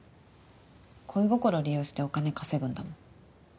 恋心利用してお金稼ぐんだもん。